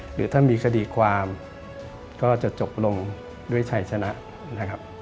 หรือถ้ามีคดีความก็จะจบลงด้วยชัยชนะนะครับ